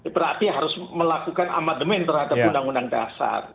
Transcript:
berarti harus melakukan amandemen terhadap undang undang dasar